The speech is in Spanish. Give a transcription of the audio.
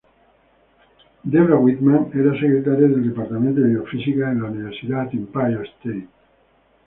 Debra Whitman era secretaria en el departamento de biofísica de la Universidad Empire State.